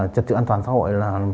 chật chữ an toàn xã hội